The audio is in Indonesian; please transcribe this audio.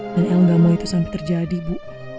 dan el gak mau itu sampai terjadi bu